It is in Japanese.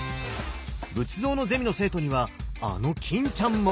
仏像のゼミの生徒にはあの欽ちゃんも！